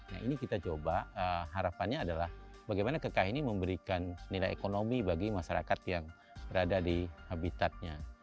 nah ini kita coba harapannya adalah bagaimana kekaya ini memberikan nilai ekonomi bagi masyarakat yang berada di habitatnya